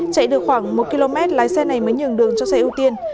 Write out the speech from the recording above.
chạy được khoảng một km lái xe này mới nhường đường cho xe ưu tiên